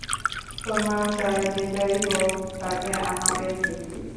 তো, মাল চায়, যেটাই হোক, তাতে আমাদের কী?